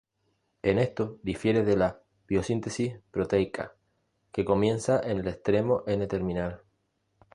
En esto difiere de la biosíntesis proteica, que comienza en el extremo N-terminal.